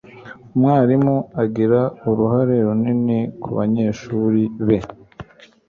Umwarimu agira uruhare runini kubanyeshuri be